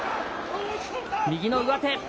右の上手。